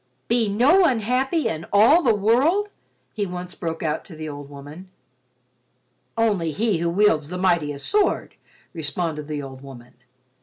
"Be no one happy in all the world?" he once broke out to the old woman. "Only he who wields the mightiest sword," responded the old woman.